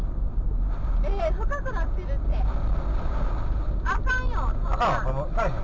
深くなってるって、あかんよ、お父さん。